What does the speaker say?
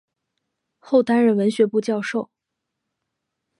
后担任文学部教授。